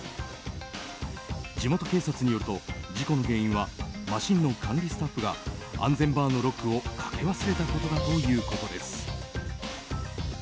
地元警察によると事故の原因はマシンの管理スタッフが安全バーのロックをかけ忘れたことだということです。